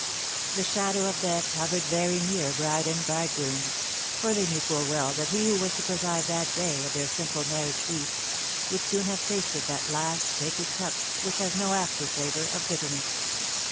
The shadow of death hovered very near bride and bridegroom; for they knew full well that he who was to preside that day at their simple marriage feast would soon have tasted that last sacred cup which has no after flavour of bitterness.